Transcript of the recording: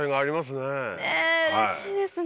ねぇうれしいですね。